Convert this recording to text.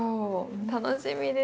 楽しみです。